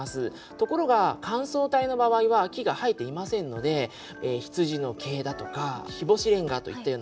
ところが乾燥帯の場合は木が生えていませんので羊の毛だとか日干しレンガといったようなものですよね。